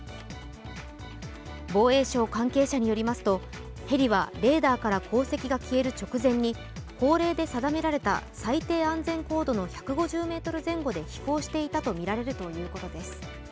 防衛省関係者によりますとヘリはレーダーから航跡が消える直前に法令で定められた最低安全高度の１５０ｍ前後で飛行していたとみられるということです。